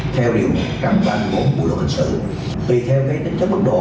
theo điều một trăm ba mươi bốn bộ luật hình sự tùy theo cái tính chất bất đồ